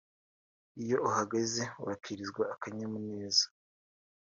iyo uhageze wakirizwa akanyamuneza